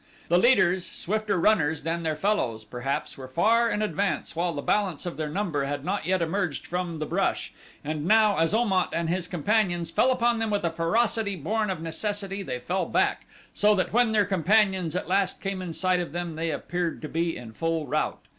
The leaders, swifter runners than their fellows, perhaps, were far in advance while the balance of their number had not yet emerged from the brush; and now as Om at and his companions fell upon them with a ferocity born of necessity they fell back, so that when their companions at last came in sight of them they appeared to be in full rout.